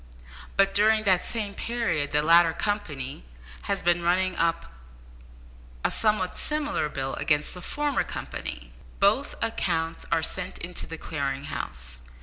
But during the same period the latter company has been running up a somewhat similar bill against the former company. Both accounts are sent in to the Clearing House.